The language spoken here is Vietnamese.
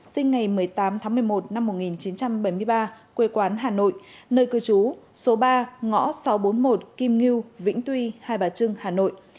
sinh ngày một mươi tám tháng một mươi một năm một nghìn chín trăm bảy mươi ba quê quán hà nội nơi cư trú số ba ngõ sáu trăm bốn mươi một kim ngưu vĩnh tuy hai bà trưng hà nội